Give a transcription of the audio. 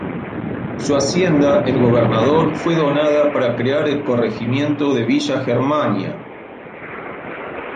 Su hacienda "El gobernador" fue donada para crear el corregimiento de Villa Germania.